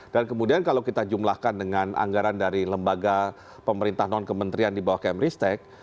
dan kemudian kalau kita jumlahkan dengan anggaran dari lembaga pemerintah non kementerian di bawah kemenristek